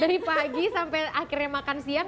dari pagi sampai akhirnya makan siang